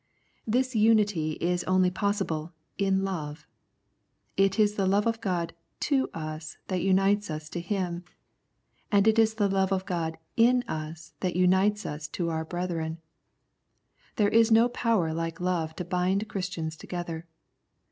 This unity is only possible " in love." It is the love of God to us that unites us to Him, and it will be the love of God in us that unites us to our brethren. There is no power like love to bind Christians together.